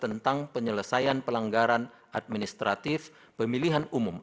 tentang penyelesaian pelanggaran administratif pemilihan umum